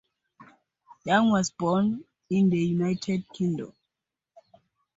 Young was born in the United Kingdom.